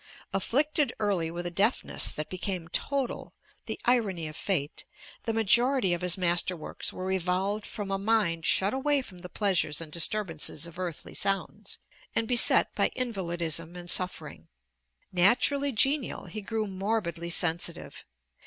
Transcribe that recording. Afflicted early with a deafness that became total, the irony of fate, the majority of his master works were evolved from a mind shut away from the pleasures and disturbances of earthly sounds, and beset by invalidism and suffering. Naturally genial, he grew morbidly sensitive.